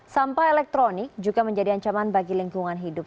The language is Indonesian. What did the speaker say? sampah elektronik juga menjadi ancaman bagi lingkungan hidup